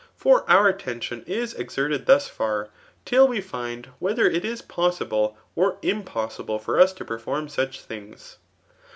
For our atttnticn i^ exerted thus far^ till we 6nd wh/stber it is possible or impossible for us to perfcmn such thjngs.